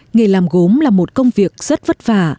nghề làm gốm là một công việc rất vất vả